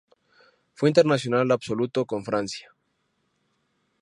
Fue internacional absoluto con Francia.